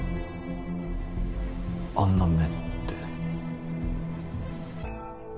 「あんな目」って？